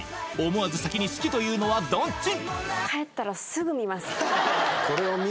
思わず先に好きというのはどっち？